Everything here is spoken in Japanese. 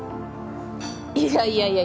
いやいやいや